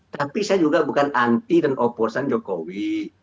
tapi saya juga bukan anti dan oposan jokowi